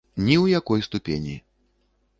Ні ў якой ступені.